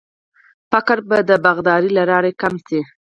فقر به د باغدارۍ له لارې کم شي.